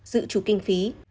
giữ chủ kinh phí